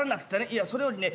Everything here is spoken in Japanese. いやそれよりね